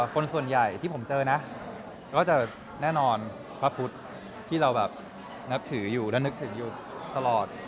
คนส่วนใหญ่ที่ผมเจอนะก็จะแน่นอนพระพุทธที่เราแบบนับถืออยู่และนึกถึงอยู่ตลอด